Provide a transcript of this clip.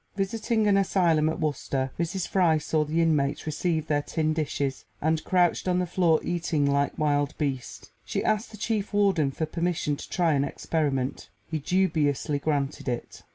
Visiting an asylum at Worcester, Mrs. Fry saw the inmates receive their tin dishes, and, crouched on the floor, eating like wild beasts. She asked the chief warden for permission to try an experiment. He dubiously granted it.